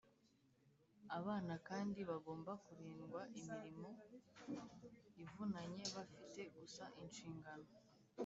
abana kandi bagomba kurindwa imirimo ivunanye. bafite gusa inshingano